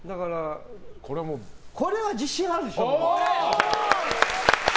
これは自信あるでしょ。